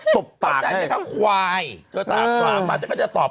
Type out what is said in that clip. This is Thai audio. ตอบตากนี้ใช่ไหมครับ